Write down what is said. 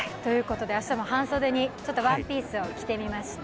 明日も半袖にワンピースを着てみました。